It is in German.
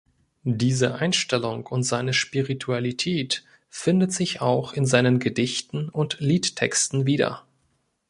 Diese Einstellung und seine Spiritualität findet sich auch in seinen Gedichten und Liedtexten wieder.